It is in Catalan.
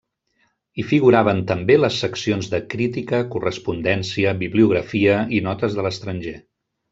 Hi figuraven també les seccions de crítica, correspondència, bibliografia i notes de l'estranger.